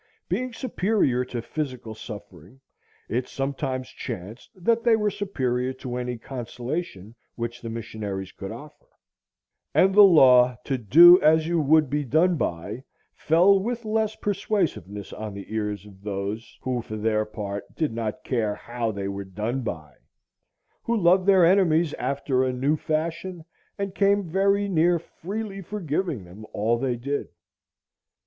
Being superior to physical suffering, it sometimes chanced that they were superior to any consolation which the missionaries could offer; and the law to do as you would be done by fell with less persuasiveness on the ears of those who, for their part, did not care how they were done by, who loved their enemies after a new fashion, and came very near freely forgiving them all they did.